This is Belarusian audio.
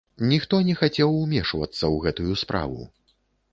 Ніхто не хацеў умешвацца ў гэтую справу.